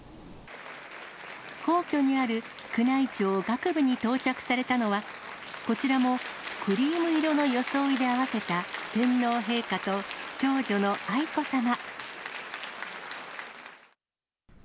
皇居にある宮内庁楽部に到着されたのは、こちらもクリーム色の装いで合わせた天皇陛下と長女の愛子さま。